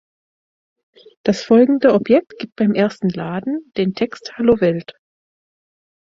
Das folgende Objekt gibt "beim ersten Laden" den Text "Hallo, Welt!